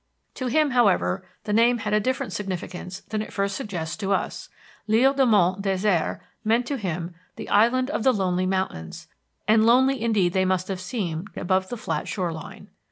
To him, however, the name had a different significance than it first suggests to us. L'Isle des Monts Deserts meant to him the Island of the Lonely Mountains, and lonely indeed they must have seemed above the flat shore line.